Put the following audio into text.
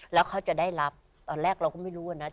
แล้วเขาจะได้รับตอนแรกเราก็ไม่รู้อันนั้น